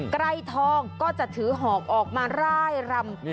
ไกรทองก็จะถือหอกออกมาร่ายรำ